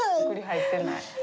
くり入ってない。